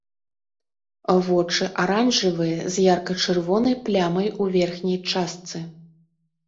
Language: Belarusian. Вочы аранжавыя, з ярка-чырвонай плямай у верхняй частцы.